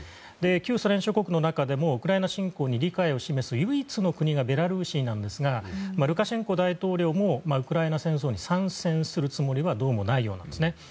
旧ソ連諸国の中でもウクライナ侵攻に理解を示す唯一の国がベラルーシなんですがルカシェンコ大統領もウクライナ戦争に参戦するつもりはどうも、ないようなんですね。